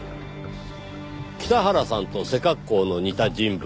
北原さんと背格好の似た人物